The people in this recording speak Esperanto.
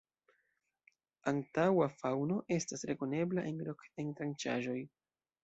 Antaŭa faŭno estas rekonebla en rok-entranĉaĵoj.